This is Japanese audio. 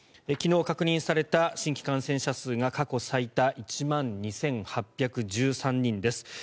昨日確認された新規感染者が過去最多１万２８１３人です。